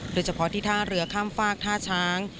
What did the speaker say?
โดยเฉพาะที่ท่าเรือข้ามฝากท่าช้าง